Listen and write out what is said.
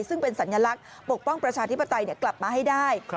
ซึ่งเป็นสัญลักษณ์ปกป้องประชาธิปไตยกลับมาให้ได้